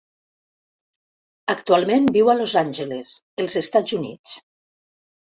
Actualment viu a Los Angeles, els Estats Units.